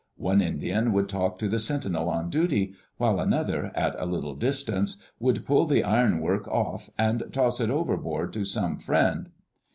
One Indian would talk to the sentinel on duty, while another, at a little distance, would pull the ironwork off and toss it overboard to some friend.